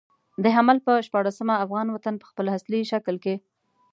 د حمل پر شپاړلسمه افغان وطن په خپل اصلي شکل کې.